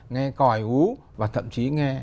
nghe còi ú và thậm chí nghe